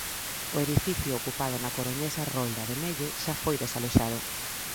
O edificio ocupado na coruñesa rolda de Nelle xa foi desaloxado.